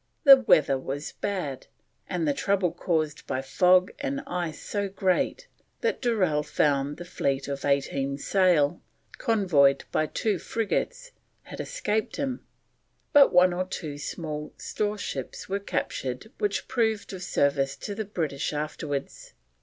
The weather was bad, and the trouble caused by fog and ice so great that Durell found the fleet of 18 sail, convoyed by two frigates, had escaped him, but one or two small store ships were captured which proved of service to the British afterwards.